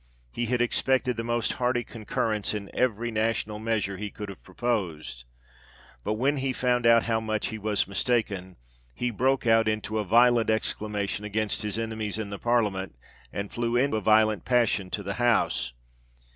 He had expected the most hearty concurrence in every national measure he could have proposed ; but when he found how much he was mis taken, he broke out into a violent exclamation against his enemies in the parliament, and flew in a violent passion to the House.